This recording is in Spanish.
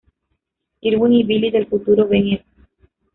Irwin y Billy del futuro ven eso.